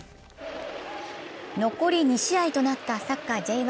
残り２試合となったサッカーＪ１。